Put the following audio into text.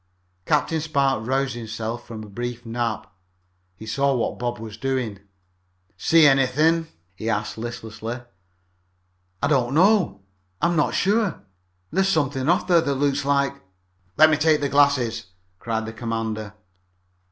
Captain Spark roused himself from a brief nap. He saw what Bob was doing. "See anything?" he asked listlessly. "I don't know I'm not sure there's something off there that looks like " "Let me take the glasses!" cried the commander.